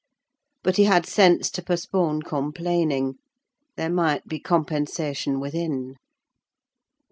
But he had sense to postpone complaining: there might be compensation within.